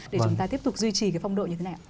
để chúng ta tiếp tục duy trì cái phong độ như thế này ạ